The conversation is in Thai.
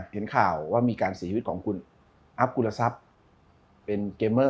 เห็นข่าวว่ามีการศีรภิกษ์ของคุณอัพกุณฑษัพเป็นเกมเมอร์